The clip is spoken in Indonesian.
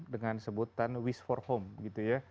dengan sebutan wish for home